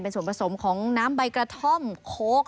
ส่วนผสมของน้ำใบกระท่อมโค้ก